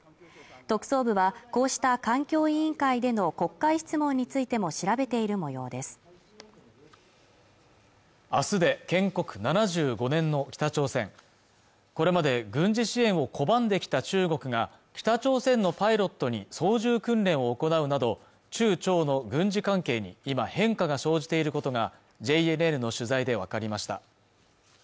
特捜部はこうした環境委員会での国会質問についても調べているもようです明日で建国７５年の北朝鮮これまで軍事支援を拒んできた中国が北朝鮮のパイロットに操縦訓練を行うなど中朝の軍事関係に今変化が生じていることがＪＮＮの取材で分かりました